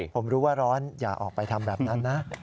ผมรู้ว่าร้อนอย่าออกไปทำแบบนั้นนะ